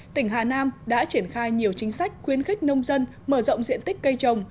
tỉnh hà nam đã triển khai nhiều chính sách khuyến khích nông dân mở rộng diện tích cây trồng